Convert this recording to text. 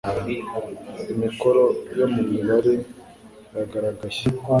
Imikoro yo mu mibare yagaragaye